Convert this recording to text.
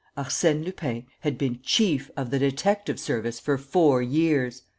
Arsène Lupin had been chief of the detective service for four years!!!